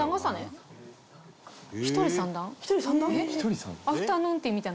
１人３段？